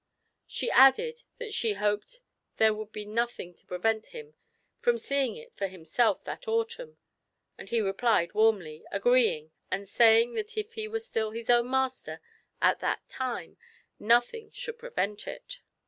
She added that she hoped there would be nothing to prevent him from seeing it for himself that autumn, and he replied warmly, agreeing and saying that if he were still his own master at that time nothing should prevent it.